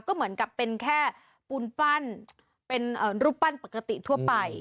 ก็เหมือนกับเป็นแค่ปูนปั้นเป็นรูปปั้นปกติทั่วไป